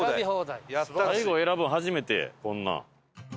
最後選ぶの初めてこんなん。